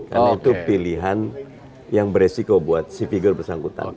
karena itu pilihan yang beresiko buat si figur bersangkutan